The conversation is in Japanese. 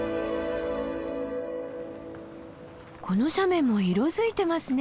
この斜面も色づいてますね。